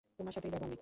তোমার সাথেই যাব আমি।